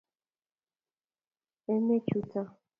eme chuto